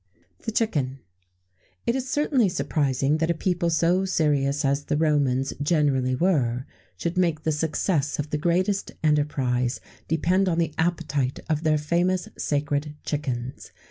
[XVII 27] THE CHICKEN. It is certainly surprising that a people so serious as the Romans generally were, should make the success of the greatest enterprise depend on the appetite of their famous sacred chickens.